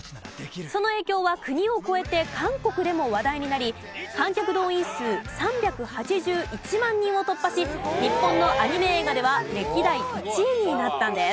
その影響は国を越えて韓国でも話題になり観客動員数３８１万人を突破し日本のアニメ映画では歴代１位になったんです。